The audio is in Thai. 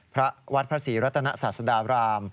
พระวัดพระศรีรัตนศาสดาบราม